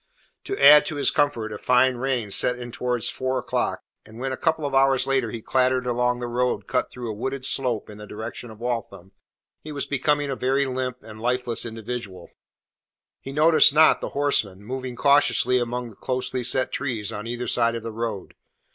To add to his discomfort a fine rain set in towards four o'clock, and when a couple of hours later he clattered along the road cut through a wooded slope in the direction of Waltham, he was become a very limp and lifeless individual. He noticed not the horsemen moving cautiously among the closely set trees on either side of the road.